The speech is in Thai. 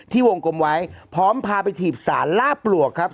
วงกลมไว้พร้อมพาไปถีบสารล่าปลวกครับ